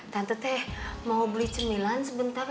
tante teh mau beli cemilan sebentar